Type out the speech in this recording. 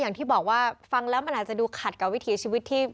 อย่างที่บอกว่าฟังแล้วมันอาจจะดูขัดกับวิถีชีวิตที่